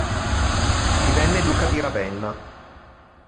Divenne duca di Ravenna.